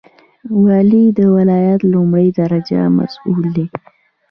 والی د ولایت لومړی درجه مسوول دی